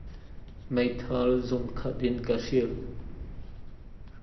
Meithal zuunkhat in an hrilh.